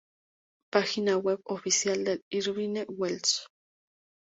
Página web oficial de Irvine Welsh